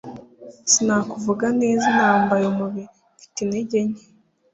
sinakuvuga neza nambaye umubiri mfite intege nke